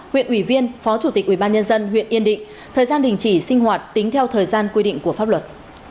huyện ủy viên phó chủ tịch ủy ban nhân dân huyện yên định thời gian đình chỉ sinh hoạt tính theo thời gian quy định của pháp luật